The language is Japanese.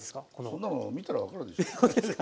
そんなの見たら分かるでしょ。